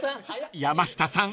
［山下さん